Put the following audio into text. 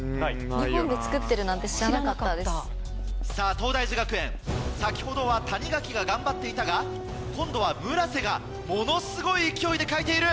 東大寺学園先ほどは谷垣が頑張っていたが今度は村瀬がものすごい勢いで書いている！